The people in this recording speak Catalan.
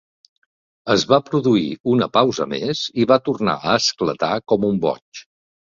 Es va produir una pausa més i va tornar a esclatar com un boig.